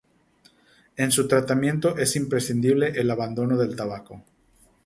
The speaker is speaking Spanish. En su tratamiento es imprescindible el abandono del tabaco.